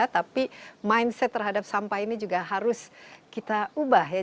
tapi mindset terhadap sampah ini juga harus kita ubah ya